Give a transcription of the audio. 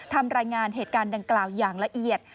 ทำรายงานเหตุการณ์ดังกล่าวอย่างละเอียด